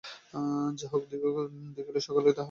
যাহাকে দেখিল, সকলকেই তাহার ভাল লাগিল।